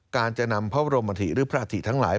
การจะนำพระบรมฐิหรือพระอาถิทั้งหลาย